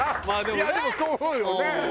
いやでもそう思うよね。